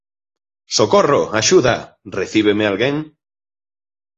Socorro, axuda! Recíbeme alguén?